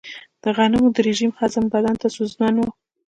د غنمو د رژیم هضم بدن ته ستونزمن و.